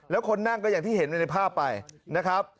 แล้วคนนั่งก็อย่างที่เห็นในภาพไปนะครับ